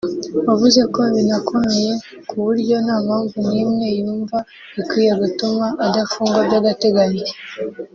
wavuze ko binakomeye ku buryo nta mpamvu n’imwe yumva ikwiye gutuma adafungwa by’agateganyo